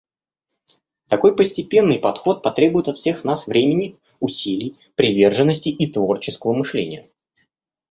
Такой постепенный подход потребует от всех нас времени, усилий, приверженности и творческого мышления.